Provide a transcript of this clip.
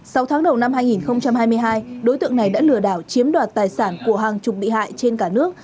sau tháng đầu năm hai nghìn hai mươi hai đối tượng này đã lừa đảo chiếm đoạt tài sản của hàng chục bị hại trên cả nước